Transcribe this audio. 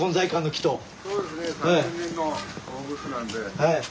はい。